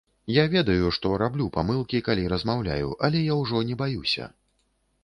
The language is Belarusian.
Я ведаю, што раблю памылкі, калі размаўляю, але я ўжо не баюся.